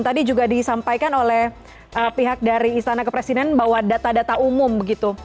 tadi juga disampaikan oleh pihak dari istana kepresidenan bahwa data data umum begitu